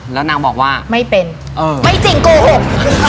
แล้วนางบอกว่าไม่เป็นไม่จริงโกหก